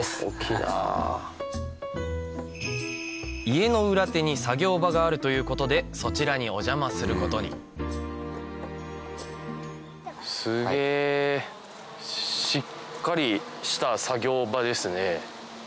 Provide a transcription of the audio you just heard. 家の裏手に作業場があるということでそちらにお邪魔することにすげぇしっかりした作業場ですね。